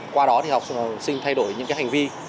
qua đó học sinh thay đổi những hành vi